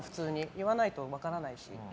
言わないと分からないし。